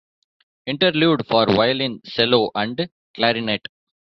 "Interlude", for violin, cello, and clarinet.